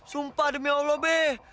sumpah demi allah beh